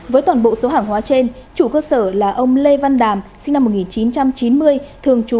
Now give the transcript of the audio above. với toàn bộ số hàng hóa trên chủ cơ sở là ông lê văn đàm sinh năm một nghìn chín trăm chín mươi thường trú